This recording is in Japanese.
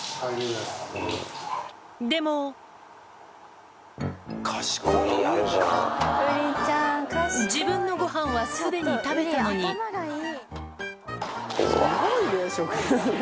でも自分のごはんはすでに食べたのにすごいね食欲が。